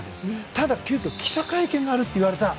ただ、急きょ記者会見があると言われた。